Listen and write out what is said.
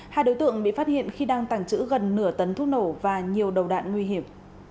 hai đối tượng bị phát hiện khi đang tàng trữ gần nửa tấn thuốc nổ và nhiều đầu đạn nguy hiểm